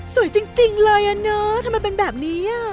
สวยจริงเลยอะเนอะทำไมเป็นแบบนี้